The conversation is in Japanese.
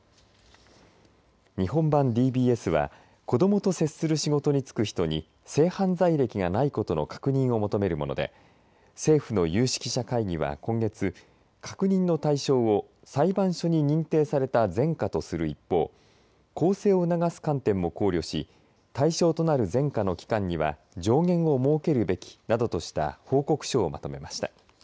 日本版ＤＢＳは子どもと接する仕事に就く人に性犯罪歴がないことの確認を求めるもので政府の有識者会議は今月確認の対象を裁判所に認定された前科とする一方更生を促す観点も考慮し対象となる前科の期間には上限を設けるべきなどとした報告書をまとめました。